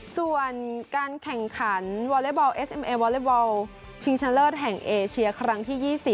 ส่วนการแข่งขันวอเลเวิลเอสเอ็มเอลวอเลเวิลชิงชันเลอร์แทงเอเชียร์ครั้งที่๒๐